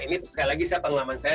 ini sekali lagi saya pengalaman saya